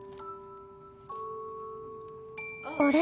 あれ？